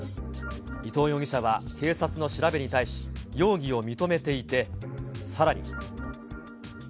伊藤容疑者は警察の調べに対し、容疑を認めていて、さらに。